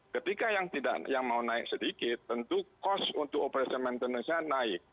ketika yang mau naik sedikit tentu cost untuk operation maintenance nya naik